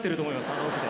あの奥で。